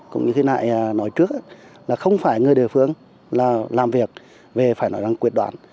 cũng như thế này nói trước là không phải người địa phương làm việc phải nói rằng quyết đoán